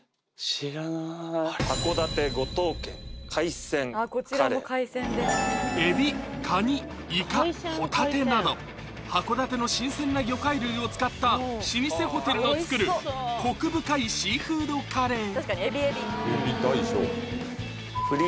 知らない海老カニイカホタテなど函館の新鮮な魚介類を使った老舗ホテルの作るコク深いシーフードカレー